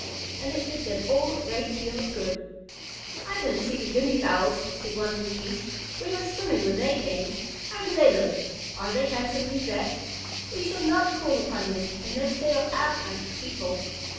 And it did them all a great deal of good. "I didn't see the Guinea Fowls," said one of the Geese. "We were swimming when they came. How do they look? Are they handsomely dressed? We shall not call upon them unless they are our kind of people."